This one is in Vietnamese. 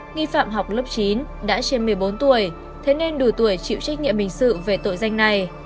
nghi phạm học lớp chín đã trên một mươi bốn tuổi thế nên đủ tuổi chịu trách nhiệm hình sự về tội danh này